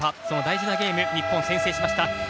その大事なゲーム日本先制しました。